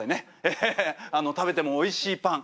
ええ食べてもおいしいパン。